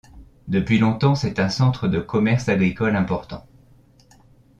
Depuis longtemps, c'est un centre de commerce agricole important.